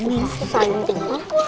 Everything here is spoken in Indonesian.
ini sih santin